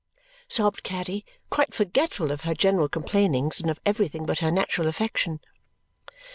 sobbed Caddy, quite forgetful of her general complainings and of everything but her natural affection.